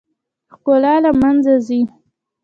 ښکلا له منځه ځي .